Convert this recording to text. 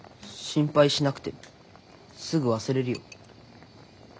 心配しなくてもすぐ忘れるよ。